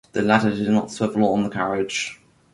The ladder did not swivel on the carriage.